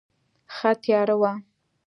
ښه تیاره وه.